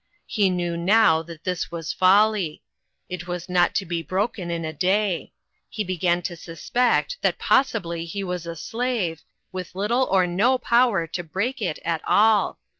He knew now that this was folly. It was not to be broken in a day. He be gan to suspect that possibly he was a slave, with little or no power to break it at all.